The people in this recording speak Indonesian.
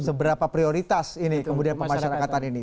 seberapa prioritas ini kemudian pemasyarakatan ini